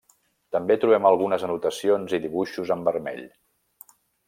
També trobem algunes anotacions i dibuixos en vermell.